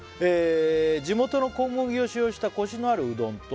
「地元の小麦を使用したコシのあるうどんと」